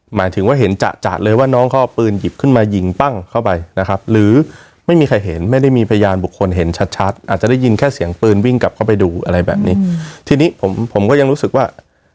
หมายถึงว่าเห็นจะเลยว่าน้องเขาเอาปืนหยิบขึ้นมายิงปั้งเข้าไปนะครับหรือไม่มีใครเห็นไม่ได้มีพยานบุคคลเห็นชัดชัดอาจจะได้ยินแค่เสียงปืนวิ่งกลับเข้าไปดูอะไรแบบนี้ทีนี้ผมผมก็ยังรู้สึกว่า